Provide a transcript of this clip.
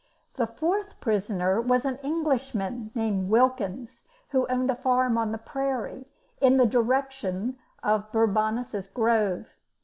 The fourth prisoner was an Englishman named Wilkins who owned a farm on the prairie, in the direction of Bourbonnais' Grove.